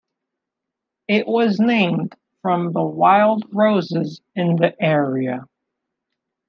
It was named from the wild roses in the area.